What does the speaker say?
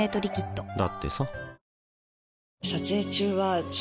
だってさ